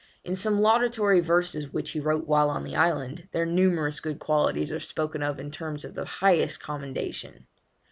In some laudatory verses which he wrote while on the island, their numerous good qualities are spoken of in terms of the highest commendation.